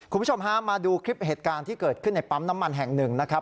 คุณผู้ชมฮะมาดูคลิปเหตุการณ์ที่เกิดขึ้นในปั๊มน้ำมันแห่งหนึ่งนะครับ